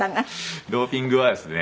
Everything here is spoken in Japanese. ドーピングはですね